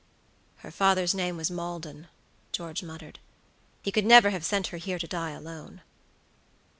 "Her father's name was Maldon," George muttered; "he could never have sent her here to die alone."